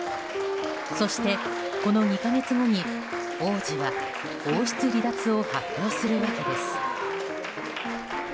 そして、この２か月後に王子は王室離脱を発表するわけです。